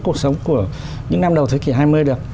cuộc sống của những năm đầu thế kỷ hai mươi được